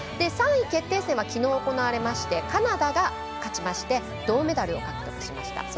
３位決定戦はきのう行われましてカナダが勝ちまして銅メダルを獲得しました。